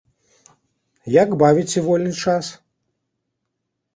Як бавіце вольны час?